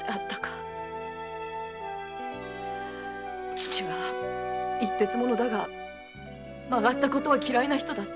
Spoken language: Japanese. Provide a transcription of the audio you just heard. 父は一徹者だが曲がったことは嫌いな人だった。